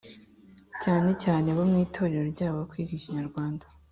cyanecyane bo mu itorero ryabo kwiga Ikinyarwanda.